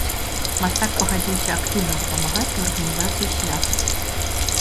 Мастак пагадзіўся актыўна дапамагаць ў арганізацыі свята.